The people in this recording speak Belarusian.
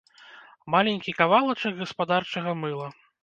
Маленькі кавалачак гаспадарчага мыла.